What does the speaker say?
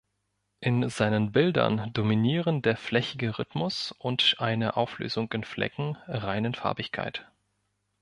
In seinen Bildern dominieren der flächige Rhythmus und eine Auflösung in Flecken reinen Farbigkeit.